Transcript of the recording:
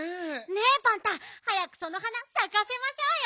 ねえパンタ早くその花さかせましょうよ！